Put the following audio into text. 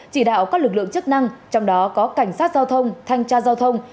chỉ đạo các lực lượng chức năng trong đó có cảnh sát giao thông thanh tra giao thông